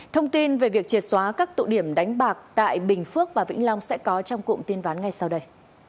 thông tin về việc triệt xóa các tụ điểm đánh bạc tại bình phước và vĩnh long sẽ có trong cụm tin ván ngay sau đây